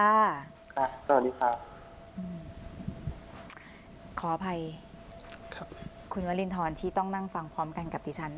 สวัสดีค่ะขออภัยครับคุณวรินทรที่ต้องนั่งฟังพร้อมกันกับดิฉัน